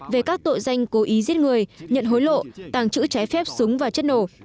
về các tội danh cố ý giết người nhận hối lộ tàng trữ trái phép súng và chất nổ